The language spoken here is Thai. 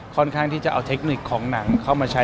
ค่อนข้างที่จะเอาเทคนิคของหนังเข้ามาใช้